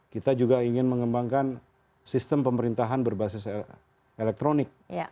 kita juga ingin mengembangkan sistem pemerintahan berbasis elektronik